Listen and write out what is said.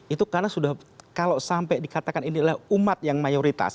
itu karena sudah kalau sampai dikatakan ini adalah umat yang mayoritas